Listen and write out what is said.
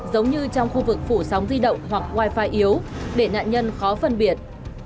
giống như trong khu vực phủ sóng di động hoặc wifi yếu để nạn nhân khó phân biệt